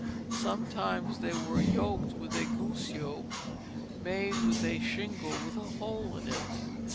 Sometimes they were yoked with a goose yoke made of a shingle with a hole in it.